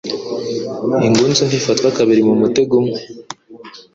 Ingunzu ntifatwa kabiri mu mutego umwe.